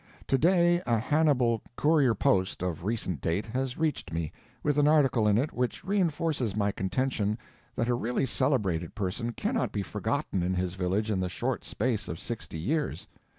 Today a Hannibal Courier Post of recent date has reached me, with an article in it which reinforces my contention that a really celebrated person cannot be forgotten in his village in the short space of sixty years.